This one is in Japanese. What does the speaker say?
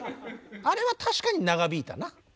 あれは確かに長引いたな。